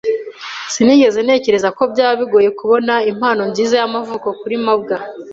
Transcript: Sinigeze ntekereza ko byaba bigoye kubona impano nziza y'amavuko kuri mabwa.